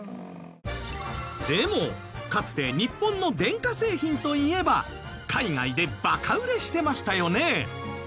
でもかつて日本の電化製品といえば海外でバカ売れしてましたよね。